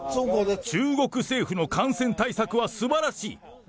中国政府の感染対策はすばらしい。